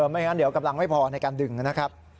ไม่งั้นเดี๋ยวกำลังไม่พอในการดึงนะครับ